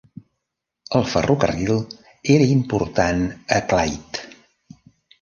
El ferrocarril era important a Clyde.